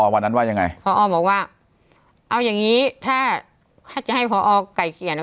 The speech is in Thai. วันนั้นว่ายังไงผอบอกว่าเอาอย่างนี้ถ้าจะให้ผอไก่เกียรติ